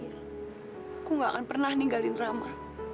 aku gak akan pernah ninggalin rama